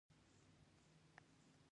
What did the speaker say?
د دوى حافظه دومره ښه وه.